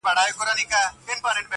زما پر سونډو یو غزل عاشقانه یې,